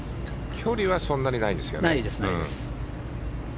距離はそんなにないですよね。